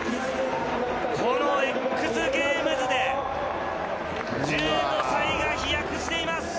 このＸＧａｍｅｓで１５歳が飛躍しています。